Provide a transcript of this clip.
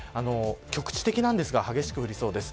局地的ですが激しく降りそうです。